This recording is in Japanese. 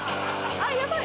あヤバい！